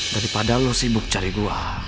daripada lo sibuk cari gue